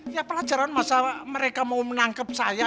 ya pelajaran masa mereka mau menangkap saya